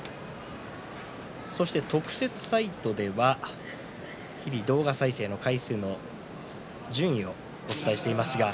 特設サイトでは日々、動画再生の回数の順位をお伝えしています。